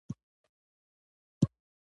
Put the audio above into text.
ایا معاینات دلته کیږي؟